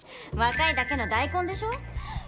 若いだけの大根でしょ。